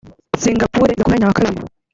Singapore iza ku mwanya wa kabiri